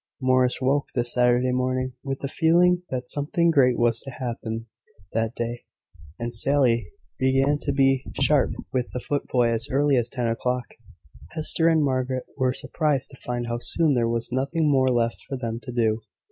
Morris woke, this Saturday morning, with the feeling that something great was to happen that day; and Sally began to be sharp with the footboy as early as ten o'clock. Hester and Margaret were surprised to find how soon there was nothing more left for them to do.